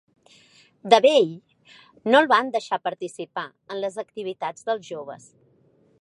De vell, no el van deixar participar en les activitats dels joves.